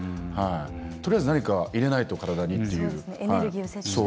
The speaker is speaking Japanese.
とりあえず、何か入れないと体にっていう。